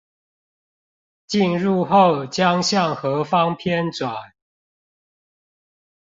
進入後將向何方偏轉？